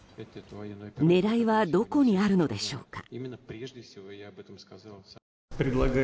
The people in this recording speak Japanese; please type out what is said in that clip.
狙いはどこにあるのでしょうか。